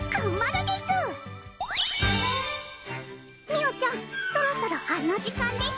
みゅーちゃんそろそろあの時間です？